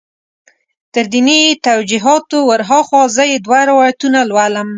تر دیني توجیهاتو ور هاخوا زه یې دوه روایتونه لولم.